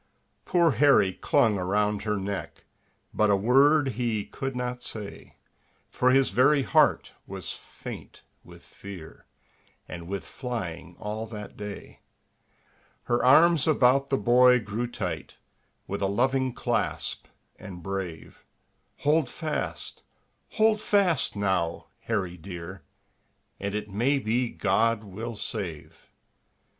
Poor Harry clung around her neck, But a word he could not say, For his very heart was faint with fear, And with flying all that day. Her arms about the boy grew tight, With a loving clasp, and brave; "Hold fast! Hold fast, now, Harry dear, And it may be God will save."